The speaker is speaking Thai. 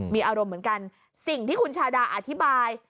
มีอารมณ์เหมือนกันสิ่งที่คุณชาดาอธิบาย